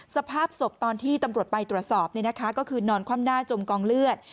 สภาพศพตอนที่ตำรวจไปตรวจสอบก็คือนอนคว่ำหน้าจมกองเลือด